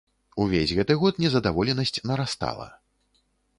Увесь гэты год незадаволенасць нарастала.